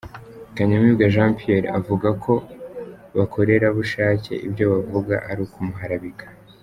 Kanyamibwa Jean Pierre, avuga ko bakorerabushake ibyo bavuga ari ukumuharabika.